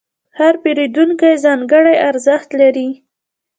هر پیرودونکی ځانګړی ارزښت لري.